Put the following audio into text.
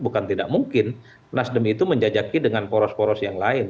bukan tidak mungkin nasdem itu menjajaki dengan poros poros yang lain